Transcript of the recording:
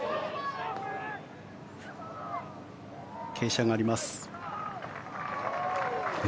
傾斜があります。